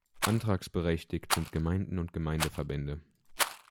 Antragsberechtigt sind Gemeinden und Gemeindeverbände.